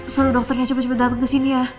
suruh dokternya cepet cepet dateng kesini ya